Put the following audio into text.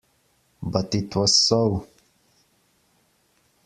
But it was so.